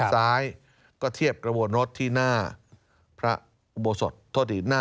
ซ้ายก็เทียบกระบวนฤทธิ์ที่หน้าพระโบสถ